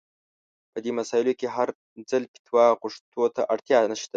په دې مسايلو کې هر ځل فتوا غوښتو ته اړتيا نشته.